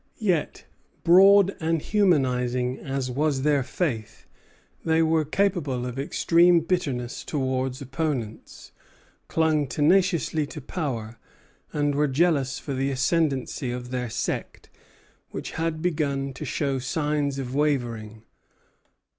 Yet, broad and humanizing as was their faith, they were capable of extreme bitterness towards opponents, clung tenaciously to power, and were jealous for the ascendency of their sect, which had begun to show signs of wavering.